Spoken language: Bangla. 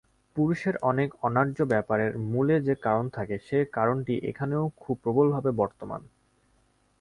পুরুষের অনেক অন্যায্য ব্যাপারের মূলে যে কারণ থাকে সেই কারণটি এখানেও খুব প্রবলভাবে বর্তমান।